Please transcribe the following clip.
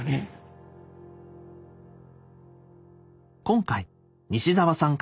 今回西澤さん